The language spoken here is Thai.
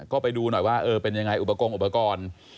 ก็ไปดูหน่อยว่าเออเป็นยังไงอุปกรณ์อุปกรณ์